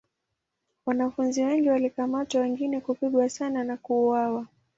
Wanafunzi wengi walikamatwa wengine kupigwa sana na kuuawa.